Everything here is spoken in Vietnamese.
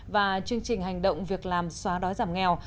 và chương trình hành động việc làm xóa đói giảm nghèo